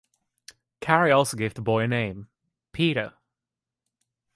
Cary also gave the boy a name: Peter.